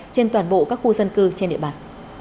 trên toàn bộ các khu dân cư trên địa bàn